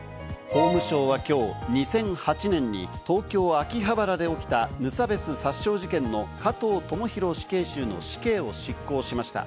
法務省は今日、２００８年に東京・秋葉原で起きた、無差別殺傷事件の加藤智大死刑囚の死刑を執行しました。